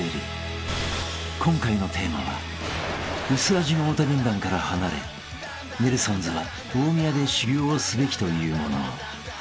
［今回のテーマは薄味の太田軍団から離れネルソンズは大宮で修行をすべきというもの］